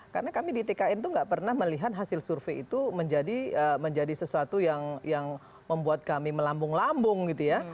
karena kami di tkn itu nggak pernah melihat hasil survei itu menjadi sesuatu yang membuat kami melambung lambung gitu ya